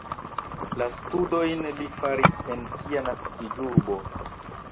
La studojn li finis en sia naskiĝurbo.